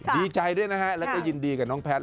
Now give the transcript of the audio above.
ดีใจด้วยนะฮะแล้วก็ยินดีกับน้องแพทย